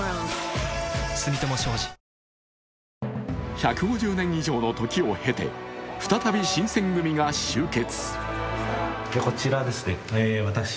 １５０年以上の時を経て再び新選組が集結。